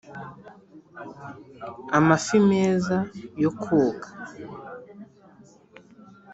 amafi meza yo koga